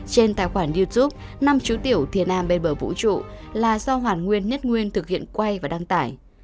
trên tài khoản youtube năm chú tiểu thi nam bên bờ vũ trụ là do hoàn nguyên nhất nguyên thực hiện quay và đăng tải